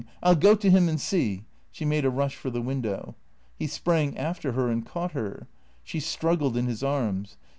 I '11 go to him and see She made a rush for the window. He sprang after her and cauglit her. She struggled in his arms.